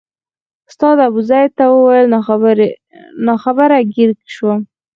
استاد ابوزید ته وویل ناخبره ګیر شوم.